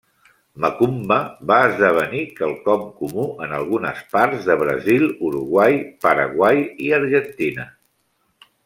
Macumba va esdevenir quelcom comú en algunes parts de Brasil, Uruguai, Paraguai i Argentina.